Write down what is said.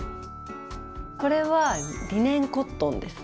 これはリネンコットンです。